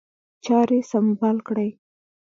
چاري سمبال کړي.